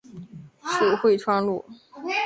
属会川路。